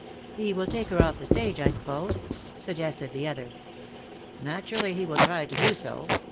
'''' 144 " He will take her off the stage,, I suppose/' suggested the other. "Naturally, he will try to do so.